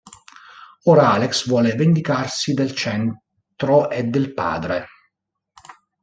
Ora Alex vuole vendicarsi del Centro e del padre.